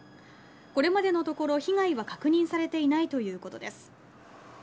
これまでのところ、被害は確認されていないということです。